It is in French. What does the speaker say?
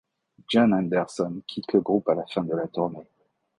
John Henderson quitte le groupe à la fin de la tournée.